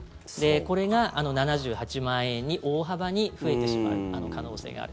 これが７８万円に大幅に増えてしまう可能性がある。